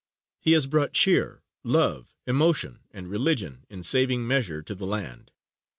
He has brought cheer, love, emotion and religion in saving measure to the land.